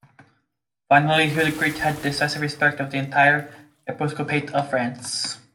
Finally, Hugh the Great had the decisive respect of the entire episcopate of France.